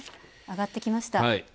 あがってきました。